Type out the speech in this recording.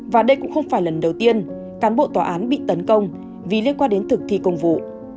và đây cũng không phải lần đầu tiên cán bộ tòa án bị tấn công vì liên quan đến thực thi công vụ